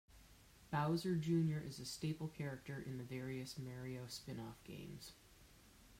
Bowser Junior is a staple character in the various "Mario" spin-off games.